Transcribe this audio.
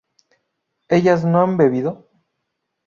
¿ellas no han bebido?